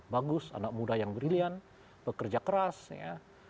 bagus anak muda yang brilliant bekerja keras ya